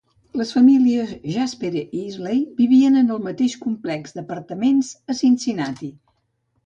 Les famílies Jasper i Isley vivien en el mateix complex d'apartaments a Cincinnati.